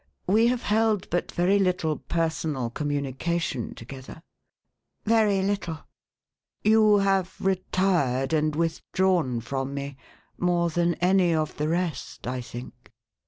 We have held but very little personal communication together ?"" Very little." " You have retired and withdrawn from me. more than any of the rest, I think ?